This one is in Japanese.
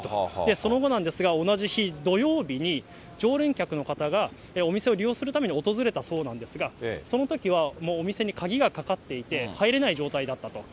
その後なんですが、同じ日、土曜日に常連客の方がお店を利用するために訪れたそうなんですが、そのときはお店に鍵がかかっていて入れない状態だったと。